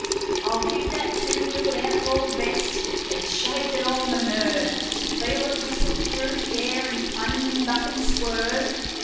I'll give that two wheeled outlaw best; it's shaken all my nerve To feel it whistle through the air and plunge and buck and swerve.